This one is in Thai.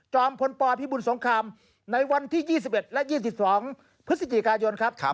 พลปพิบุญสงครามในวันที่๒๑และ๒๒พฤศจิกายนครับ